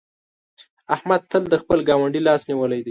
احمد تل د خپل ګاونډي لاس نيولی دی.